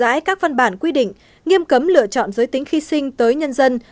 giả soát các văn bản quy định nghiêm cấm lựa chọn giới tính khi sinh tới nhân dân